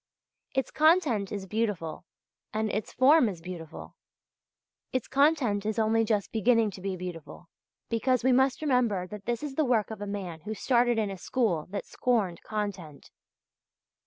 Its content is beautiful and its form is beautiful. Its content is only just beginning to be beautiful, because we must remember that this is the work of a man who started in a school that scorned content.